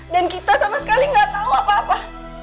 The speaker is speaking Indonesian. dan kita sama sekali gak tahu apa apa